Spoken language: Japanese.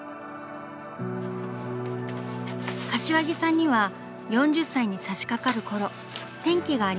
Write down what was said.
柏木さんには４０歳にさしかかるころ転機がありました。